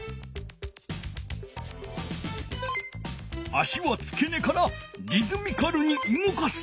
足はつけ根からリズミカルに動かす。